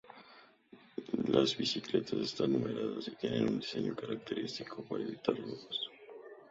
Las bicicletas están numeradas y tienen un diseño característico para evitar robos.